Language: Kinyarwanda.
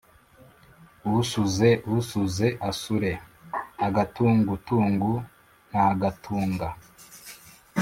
« usuze usuze/ asure agatùngutùngu/ nt agatuga